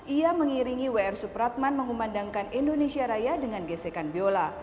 ia mengiringi w r supratman mengumandangkan indonesia raya dengan gesekan viola